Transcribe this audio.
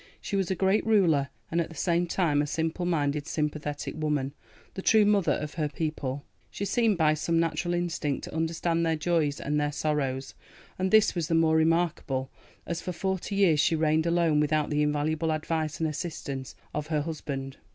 She was a great ruler, and at the same time a simple minded, sympathetic woman, the true mother of her people. She seemed by some natural instinct to understand their joys and their sorrows, and this was the more remarkable as for forty years she reigned alone without the invaluable advice and assistance of her husband.